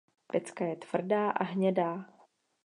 Pecka je tvrdá a hnědá.